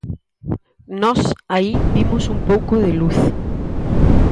Nós aí vimos un pouco de luz.